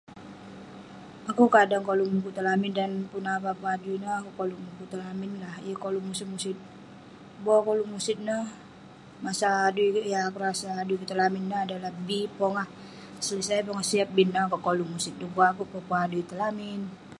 Akuek kadang koluk mukuk tong lamin dukuk neh avah padui yeng amik koluk mukuk tong lamin yeng koluk musit-musit abuh akuek koluek musit ineh masa adui kik yah akuek rasa adui kik tong lamin bi pogah selesai pogah siap ineh akuek koluek musit abuh akuek pun adui tong lamin